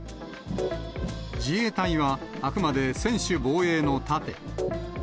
自衛隊はあくまで専守防衛の盾。